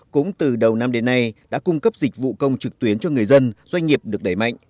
cũng từ đầu năm đến nay đã cung cấp dịch vụ công trực tuyến cho người dân doanh nghiệp được đẩy mạnh